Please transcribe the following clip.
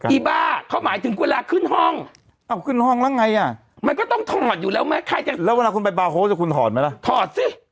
ถ้าแกว่าคุณแก้วมีโชคในวันนี้